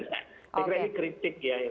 ketidakpacahan kritik ya